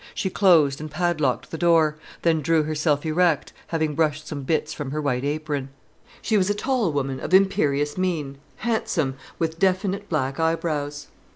She closed and padlocked the door, then drew herself erect, having brushed some bits from her white apron. She was a tall woman of imperious mien, handsome, with definite black eyebrows.